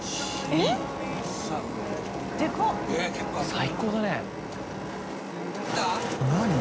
最高だね。